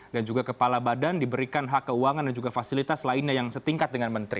dan juga kepala badan diberikan hak keuangan dan juga fasilitas lainnya yang setingkat dengan menteri